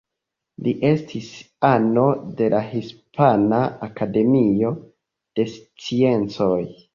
Li estis ano de la Hispana Akademio de Sciencoj.